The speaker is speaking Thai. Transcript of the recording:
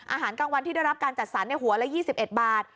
อาหารกลางวันที่ได้รับการจัดสรรหัวละ๒๑บาท